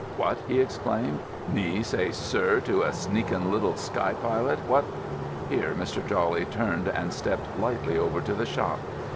"What!" he exclaimed, "me say 'sir' to a sneakin' little sky pilot, what——" Here Mr. Jawley turned and stepped lightly over to the shop.